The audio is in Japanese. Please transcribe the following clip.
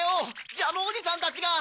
ジャムおじさんたちが！